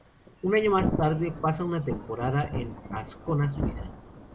Un año más tarde, pasa una temporada en Ascona, Suiza.